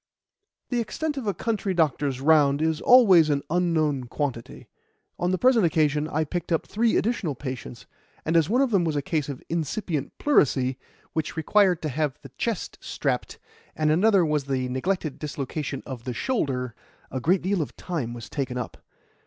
The extent of a country doctor's round is always an unknown quantity. On the present occasion I picked up three additional patients, and as one of them was a case of incipient pleurisy, which required to have the chest strapped, and another was a neglected dislocation of the shoulder, a great deal of time was taken up.